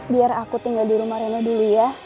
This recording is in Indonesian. biar aku tinggal di rumah reno dulu ya